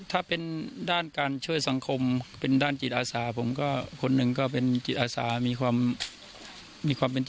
ถ้าเป็นด้านการเชื้อสังคมเป็นด้านจิตอาสาของผมก็